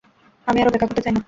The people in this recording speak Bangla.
আমি আর অপেক্ষা করতে চাই না।